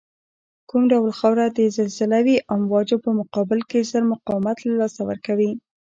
کوم ډول خاوره د زلزلوي امواجو په مقابل کې زر مقاومت له لاسه ورکوی